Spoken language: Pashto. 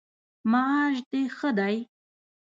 معاش د ښه دی؟